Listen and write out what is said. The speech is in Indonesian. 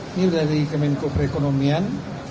ini dari kemenko perekonomian